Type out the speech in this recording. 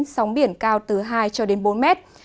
sóng biển cao từ hai cho đến bốn mét